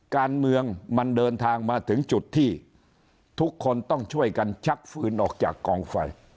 การเมืองมันเดินทางมาถึงจุดที่ทุกคนต้องช่วยกันชักฟืนออกจากกองไฟ